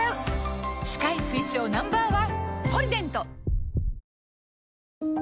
歯科医推奨 Ｎｏ．１！